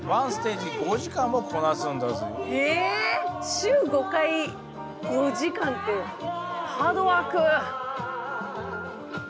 週５回５時間ってハードワーク。